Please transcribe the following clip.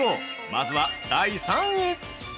まずは第３位！